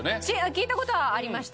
聞いた事はありました。